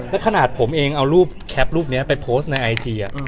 และขนาดผมเองเอารูปแคปรูปนี้ไปโพสต์ในไอจี